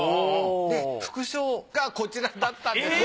で副賞がこちらだったんです。